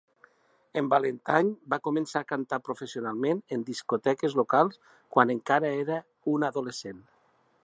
En Valentine va començar a cantar professionalment en discoteques locals quan encara era un adolescent.